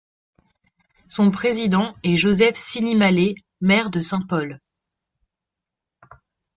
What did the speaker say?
Son président est Joseph Sinimalé, maire de Saint-Paul.